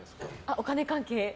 お金関係？